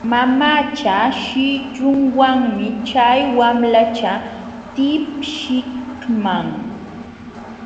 Mamacha shillunwanmi chay wamlacha tipshiqman.